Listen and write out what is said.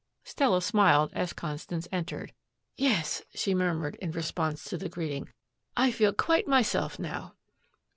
Stella smiled as Constance entered. "Yes," she murmured in response to the greeting, "I feel quite myself now."